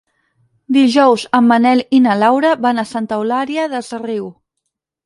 Dijous en Manel i na Laura van a Santa Eulària des Riu.